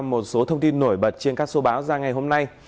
một số thông tin nổi bật trên các số báo ra ngày hôm nay